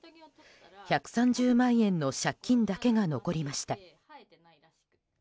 １３０万円の借金だけが残りました。